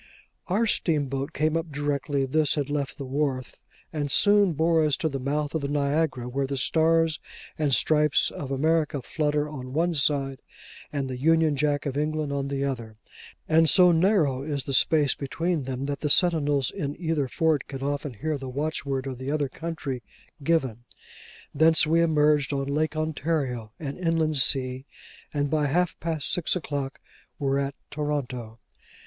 Our steamboat came up directly this had left the wharf, and soon bore us to the mouth of the Niagara; where the stars and stripes of America flutter on one side and the Union Jack of England on the other: and so narrow is the space between them that the sentinels in either fort can often hear the watchword of the other country given. Thence we emerged on Lake Ontario, an inland sea; and by half past six o'clock were at Toronto.